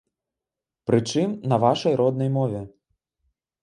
Прычым, на вашай роднай мове.